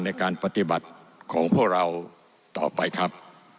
ในการปฏิบัติของพวกเราต่อไปครับ